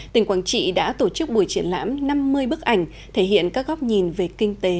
tỉnh quảng trị đã tổ chức buổi triển lãm năm mươi bức ảnh thể hiện các góc nhìn về kinh tế